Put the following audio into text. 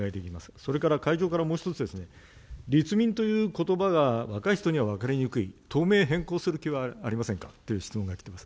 それから会場からもう一つ、立民ということばが若い人には分かりにくい、党名変更する気はありませんかという質問が来ています。